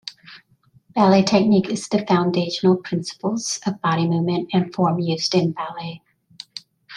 Ballet technique is the foundational principles of body movement and form used in ballet.